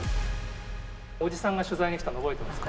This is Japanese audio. おじさんが取材に来たの、覚えてますか？